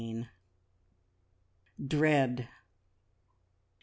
DREAD.